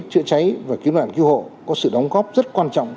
chữa cháy và cứu nạn cứu hộ có sự đóng góp rất quan trọng